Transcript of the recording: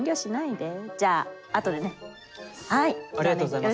ありがとうございます。